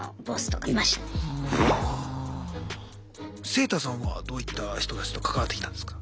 セイタさんはどういった人たちと関わってきたんですか？